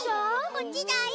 こっちだよ。